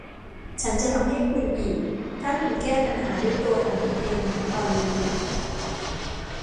ฉันจะทำให้คุณอีกถ้าคุณแก้ปัญหาด้วยตัวของคุณเองตอนนี้